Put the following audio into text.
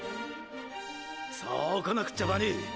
そうこなくっちゃバニー！